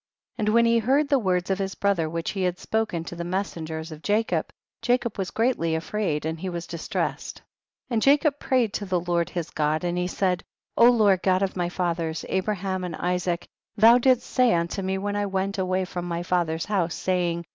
15. And when he heard the words of his brother which he had spoken to the messengers of Jacob, Jacob was greatly afraid and he was dis tressed. 16. And Jacob prayed to the Lord his God, and he said, Lord God of my fathers, Abraham and Isaac, thou didst say unto me when I went away from my father's house, say ing, 17.